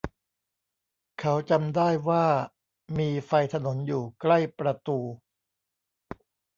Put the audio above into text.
เขาจำได้ว่ามีไฟถนนอยู่ใกล้ประตู